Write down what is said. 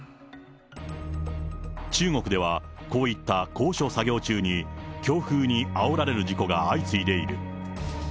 中国ではこういった高所作業中に、強風にあおられる事故が相次いでいる。